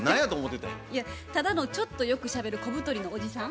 いやただのちょっとよくしゃべる小太りのおじさん。